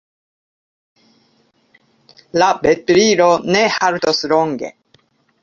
La veturilo ne haltos longe.